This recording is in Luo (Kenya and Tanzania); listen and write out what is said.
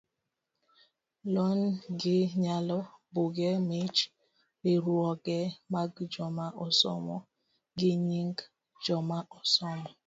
lony gi nyalo, buge, mich, riwruoge mag joma osomo, gi nying joma osomo